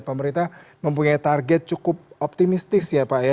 pemerintah mempunyai target cukup optimistis ya pak ya